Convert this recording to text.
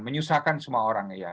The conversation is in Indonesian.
menyusahkan semua orang ya